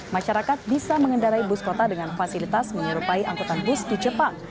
masyarakat bisa mengendarai bus kota dengan fasilitas menyerupai angkutan bus di jepang